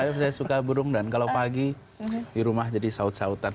saya suka burung dan kalau pagi di rumah jadi saut sautan